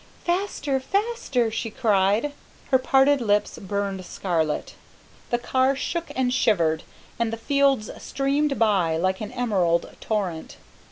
"Faster! faster!" she cried. Her parted lips burned scarlet. The car shook and shivered, and the fields streamed by like an emerald torrent.